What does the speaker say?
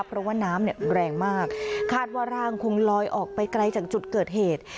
เพราะว่าน้ำเนี่ยแรงมากคาดว่าร่างคงลอยออกไปไกลจากจุดเกิดเหตุ